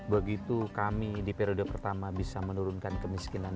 begitu kami di periode pertama bisa menurunkan kemiskinan